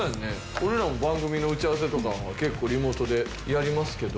俺らも番組の打ち合わせとか結構リモートでやりますけど。